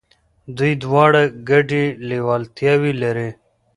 دوی دواړه ګډي لېوالتياوي لري.